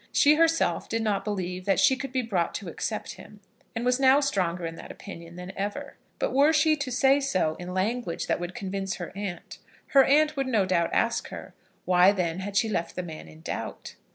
She herself did not believe that she could be brought to accept him, and was now stronger in that opinion than ever. But were she to say so in language that would convince her aunt, her aunt would no doubt ask her, why then had she left the man in doubt?